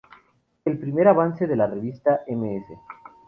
El primer avance de la revista Ms.